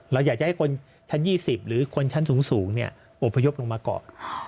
เราอยากจะให้คนชั้น๒๐หรือคนชั้นสูงอบพยพลงมาเกาะ